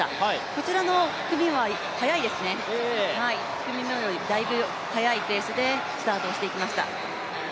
こちらの組は速いですね、１組目よりだいぶ速いペースでスタートをしていきました。